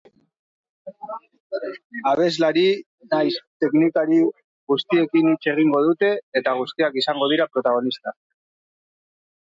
Abeslari nahiz teknikari, guztiekin hitz egingo dute eta guztiak izango dira protagonista.